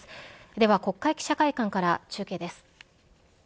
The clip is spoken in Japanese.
では、国会記者会館から中継です。